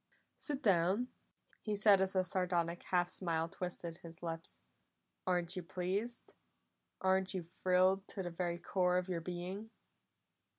"Sit down!" he said as a sardonic half smile twisted his lips. "Aren't you pleased? Aren't you thrilled to the very core of your being?"